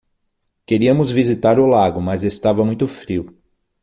Queríamos visitar o lago, mas estava muito frio